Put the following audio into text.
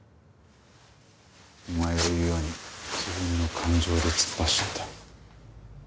お前が言うように自分の感情で突っ走った。